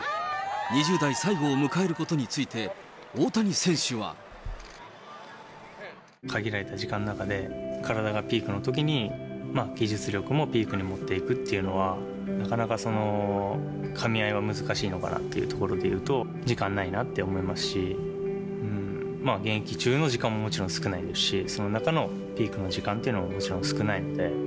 ２０代最後を迎えることについて、大谷選手は。限られた時間の中で体がピークのときに、技術力もピークに持っていくっていうのは、なかなかかみ合いは難しいのかなっていうところでいうと、時間ないなって思いますし、現役中の時間ももちろん少ないですし、その中のピークの時間というのももちろん少ないので。